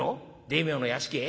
大名の屋敷へ？